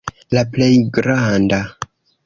La plej granda.